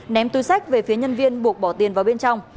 ném túi sách về phía nhân viên buộc bỏ tiền vào bên trong